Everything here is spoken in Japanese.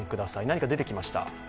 何か出てきました。